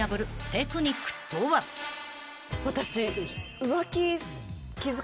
私。